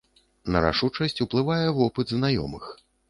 На рашучасць ўплывае вопыт знаёмых.